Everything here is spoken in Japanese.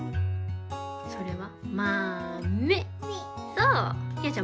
それは「まめ」。